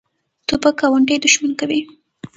توپک ګاونډي دښمن کوي.